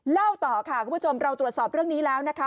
เล่าต่อค่ะคุณผู้ชมเราตรวจสอบเรื่องนี้แล้วนะคะ